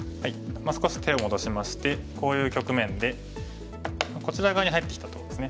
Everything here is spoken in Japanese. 少し手を戻しましてこういう局面でこちら側に入ってきたとこです。